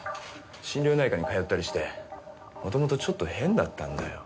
心療内科に通ったりしてもともとちょっと変だったんだよ。